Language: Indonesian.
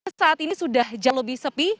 saat ini sudah jauh lebih sepi